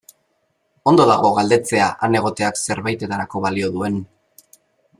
Ondo dago galdetzea han egoteak zerbaitetarako balio duen.